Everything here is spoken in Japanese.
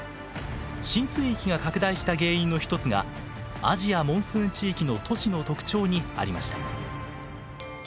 浸水域が拡大した原因の一つがアジアモンスーン地域の都市の特徴にありました。